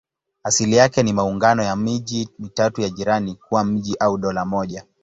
Asili yake ni maungano ya miji mitatu ya jirani kuwa mji au dola moja.